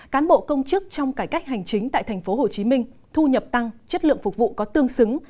cán bộ công chức trong cải cách hành chính tại tp hcm thu nhập tăng chất lượng phục vụ có tương xứng